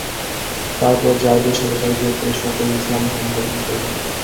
তারপর যায়েদের সাথে তার গোত্রের সকলে ইসলাম ধর্ম গ্রহণ করলেন।